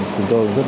chúng tôi rất mong